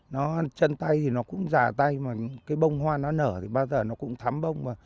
nó chân tay thì nó cũng già tay mà cái bông hoa nó nở thì bao giờ nó cũng thắm bông mà